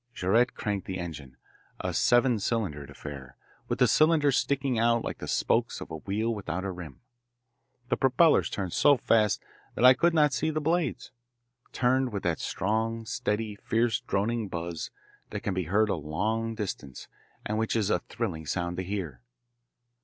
Jaurette cranked the engine, a seven cylindered affair, with the cylinders sticking out like the spokes of a wheel without a rim. The propellers turned so fast that I could not see the blades turned with that strong, steady, fierce droning buzz that can be heard a long distance and which is a thrilling sound to hear.